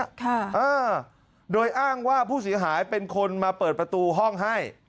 ค่ะเออโดยอ้างว่าผู้เสียหายเป็นคนมาเปิดประตูห้องให้